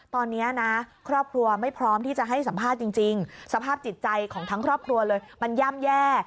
ตอนนี้นะครอบครัวไม่พร้อมที่จะให้สัมภาษณ์จริงสภาพจิตใจของทั้งครอบครัวเลยมันย่ำแย่